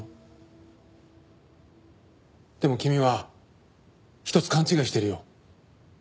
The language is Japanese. でも君は一つ勘違いをしてるよ。